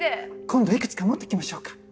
今度幾つか持ってきましょうか。